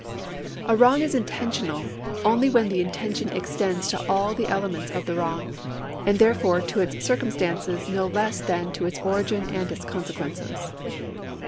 ^ A wrong is intentional, only when the intention extends to all the elements of the wrong, and therefore to its circum stances no less than to its origin and its consequences.